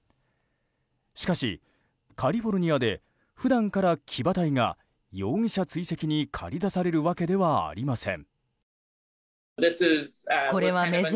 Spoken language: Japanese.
しかし、カリフォルニアで普段から騎馬隊が容疑者追跡に駆り出されるわけではありません。